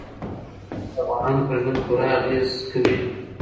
غوښې د افغانانو پر ژوند پوره اغېزمن کوي.